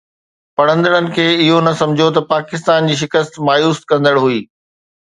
پڙهندڙن کي اهو نه سمجهيو ته پاڪستان جي شڪست مايوس ڪندڙ هئي